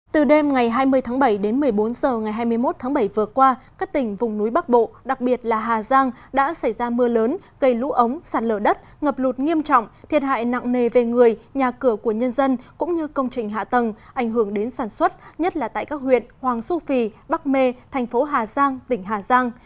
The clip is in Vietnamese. từ đêm ngày hai mươi tháng bảy đến một mươi bốn h ngày hai mươi một tháng bảy vừa qua các tỉnh vùng núi bắc bộ đặc biệt là hà giang đã xảy ra mưa lớn gây lũ ống sạt lở đất ngập lụt nghiêm trọng thiệt hại nặng nề về người nhà cửa của nhân dân cũng như công trình hạ tầng ảnh hưởng đến sản xuất nhất là tại các huyện hoàng su phi bắc mê thành phố hà giang tỉnh hà giang